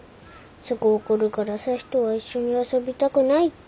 すぐ怒るから朝陽とは一緒に遊びたくないって。